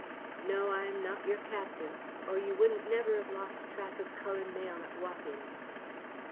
No, I am not your captain, or you wouldn't never have lost track of Cullen Mayle at Wapping."